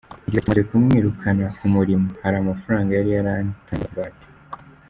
Yagize ati “Tumaze kumwirukana ku murimo, hari amafaranga yari yaratanzeho ingwate.